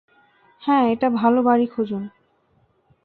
হ্যাঁ, একটা ভালো বাড়ি খুঁজুন।